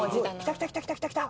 来た来た来た来た来た。